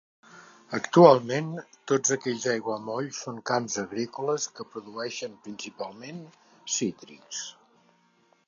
Actualment, tots aquells aiguamolls són camps agrícoles, que produeixen principalment cítrics.